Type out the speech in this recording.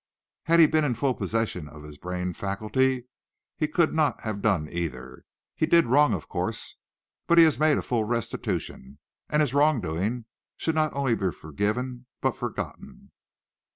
Had he been in full possession of his brain faculty, he could not have done either. He did wrong, of course, but he has made full restitution, and his wrong doing should not only be forgiven but forgotten."